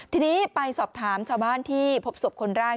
ทีนี้ไปสอบถามชาวบ้านที่พบศพคนแรก